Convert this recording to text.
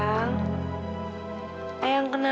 mamah mamahlah l zahl